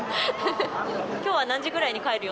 きょうは何時ぐらいに帰る予